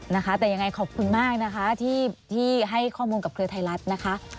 นะคะแต่ยังไงขอบคุณมากนะคะที่ให้ข้อมูลกับเครือไทยรัฐนะคะ